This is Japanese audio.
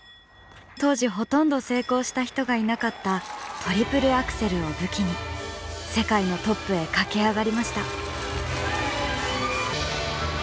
当時ほとんど成功した人がいなかったトリプルアクセルを武器に世界のトップへ駆け上がりました。